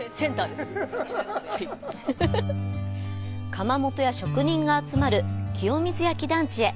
窯元や職人が集まる清水焼団地へ。